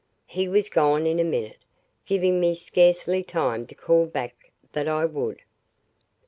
He was gone in a minute, giving me scarcely time to call back that I would.